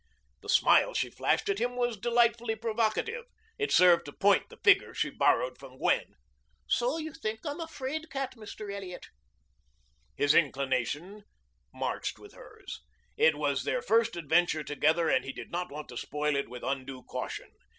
The smile she flashed at him was delightfully provocative. It served to point the figure she borrowed from Gwen. "So you think I'm a 'fraid cat, Mr. Elliot?" His inclination marched with hers. It was their first adventure together and he did not want to spoil it by undue caution.